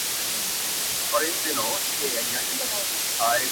درته خبره كوم.